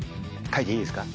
かいていいですか？